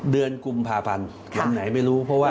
เดือนกุมภาพันธ์วันไหนไม่รู้เพราะว่า